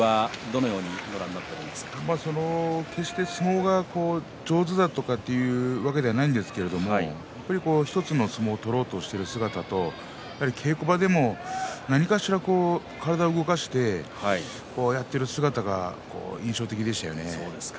決して相撲が上手だとかというわけではないんですが１つの相撲を取ろうとする姿稽古場でも何かしら体を動かしてやっている姿が印象的でしたね。